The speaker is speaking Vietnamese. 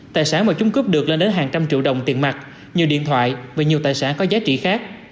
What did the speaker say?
tài sản mà chúng cướp được lên đến hàng trăm triệu đồng tiền mặt nhiều điện thoại và nhiều tài sản có giá trị khác